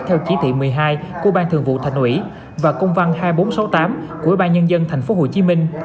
theo chí thị một mươi hai của ban thường vụ thành ủy và công văn hai nghìn bốn trăm sáu mươi tám của ủy ban nhân dân tp hcm